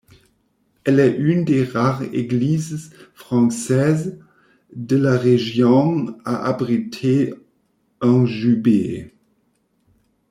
Elle est une des rares églises françaises de la région à abriter un jubé.